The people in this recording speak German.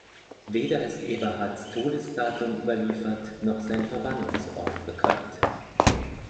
Weder ist Eberhards Todesdatum überliefert noch sein Verbannungsort bekannt.